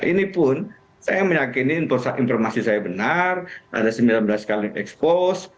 ini pun saya meyakini informasi saya benar ada sembilan belas kali expose